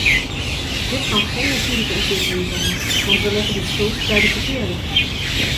Dit kan geen natuurlijke ontwikkeling zijn, want wij leggen de schuld bij de verkeerde.